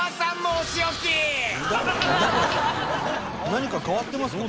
何か変わってますか？